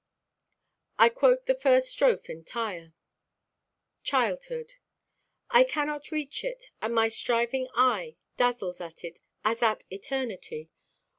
I quote the first strophe entire: CHILDHOOD. "I cannot reach it; and my striving eye Dazzles at it, as at eternity.